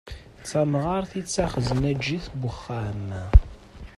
D tamɣart i d taxeznaǧit n uxxam.